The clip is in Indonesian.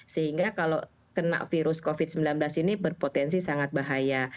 sehingga kalau kena virus covid sembilan belas ini berpotensi sangat bahaya